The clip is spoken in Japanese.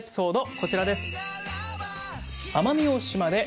こちらです。